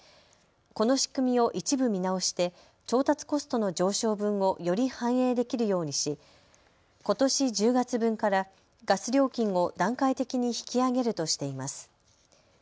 この仕組みを一部見直して調達コストの上昇分をより反映できるようにしことし１０月分からガス料金を段階的に引き上げるとしています。